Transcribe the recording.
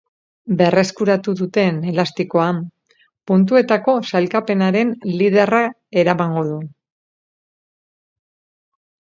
Berreskuratu duten elastikoa, puntuetako sailkapenaren liderra eramango du.